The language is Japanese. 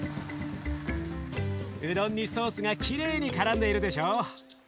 うどんにソースがきれいにからんでいるでしょう？